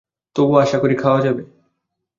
তবুও আশাকরি খাওয়া যাবে।